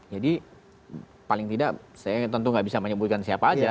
jadi paling tidak saya tentu gak bisa menyebutkan siapa aja